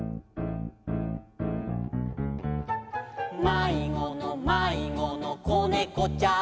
「まいごのまいごのこねこちゃん」